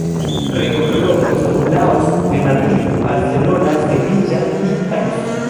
Recorrió los tablaos de Madrid, Barcelona, Sevilla y París.